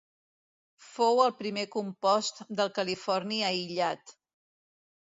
Fou el primer compost del californi aïllat.